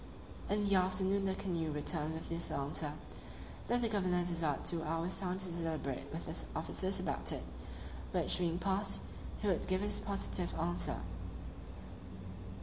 In the afternoon the canoe returned with this answer: "That the governor desired two hours' time to deliberate with his officers about it, which being past, he would give his positive answer."